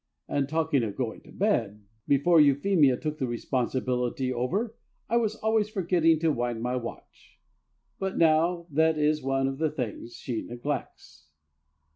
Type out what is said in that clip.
And, talking of going to bed, before Euphemia took the responsibility over, I was always forgetting to wind my watch. But now that is one of the things she neglects.